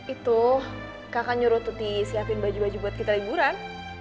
itu kakak nyurututi siapin baju baju buat kita liburan